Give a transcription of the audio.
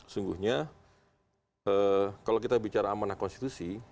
sungguhnya kalau kita bicara amanah konstitusi